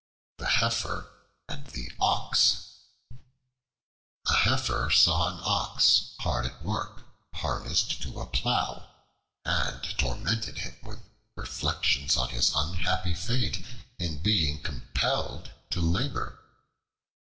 The Heifer and the Ox A HEIFER saw an Ox hard at work harnessed to a plow, and tormented him with reflections on his unhappy fate in being compelled to labor.